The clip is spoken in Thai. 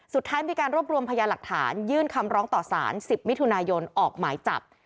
สุดท้ายมีการรวบรวมพยานหลักฐานยื่นคำร้องต่อสาร๑๐มิถุนายนออกหมายจับ